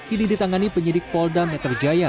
ini ditangani penyidik polda metro jaya